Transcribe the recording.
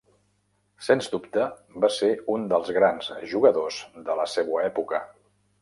Sens dubte va ser un dels grans jugadors de la seua època.